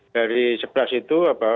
dari sebelas itu